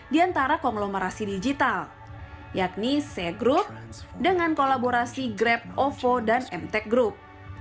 di antara konglomerasi digital yakni ce group dengan kolaborasi grab ovo dan mtek group